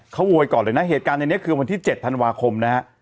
เขาโวยก่อนเลยนะเหตุการณ์ในนี้คือวันที่๗ธันวาคมนะฮะ